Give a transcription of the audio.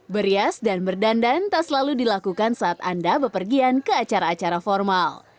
berias dan berdandan tak selalu dilakukan saat anda berpergian ke acara acara formal